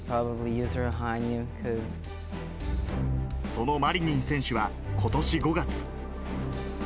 そのマリニン選手はことし５月。